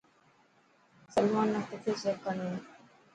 سلمان نا ڪٿي چڪ هڻيو.